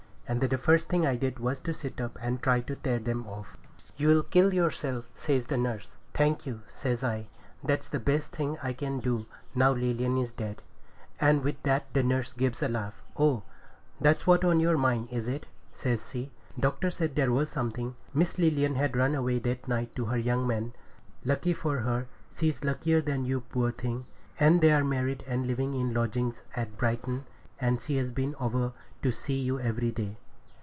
And the first thing I did was to sit up and try to tear them off. 'You'll kill yourself,' says the nurse. 'Thank you,' says I, 'that's the best thing I can do, now Lilian is dead.' And with that the nurse gives a laugh. 'Oh, that's what's on your mind, is it?' says she. 'Doctor said there was something. Miss Lilian had run away that night to her young man. Lucky for her! She's luckier than you, poor thing! And they're married and living in lodgings at Brighton, and she's been over to see you every day.'